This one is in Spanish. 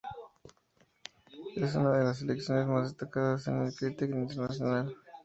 Es una de las selecciones más destacadas en el críquet internacional.